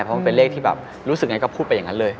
เพราะมันเป็นเลขที่แบบรู้สึกยังไงก็พูดไปอย่างนั้นเลย